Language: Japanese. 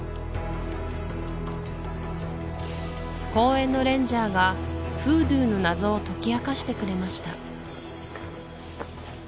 公園のレンジャーがフードゥーの謎を解き明かしてくれました